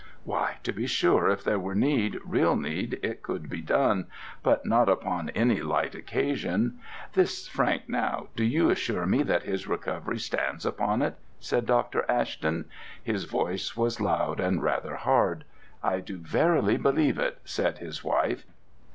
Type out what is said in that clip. "Why, to be sure, if there were need, real need, it could be done, but not upon any light occasion. This Frank, now, do you assure me that his recovery stands upon it?" said Dr. Ashton: his voice was loud and rather hard. "I do verily believe it," said his wife.